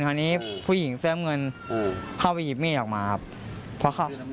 ครั้งนี้ผู้หญิงเสื้อมเงินเข้าไปหยิบมีดออกมาครับ